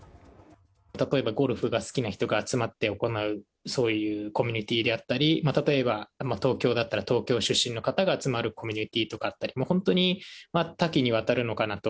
例えばゴルフが好きな人が集まって行う、そういうコミュニティーであったり、例えば、東京だったら東京出身の方が集まるコミュニティーとかあったり、本当に多岐にわたるのかなと。